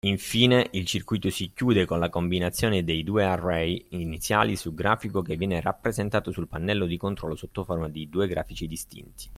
Infine il circuito si chiude con la combinazione dei due array iniziali su grafico che viene rappresentato sul pannello di controllo sottoforma di due grafici distinti.